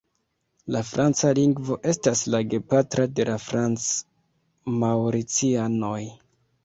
La franca lingvo estas la gepatra de la franc-maŭricianoj.